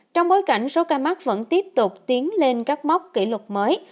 trong bối cảnh số ca mắc vẫn tiếp tục tiến lên các mốc kỷ lục mới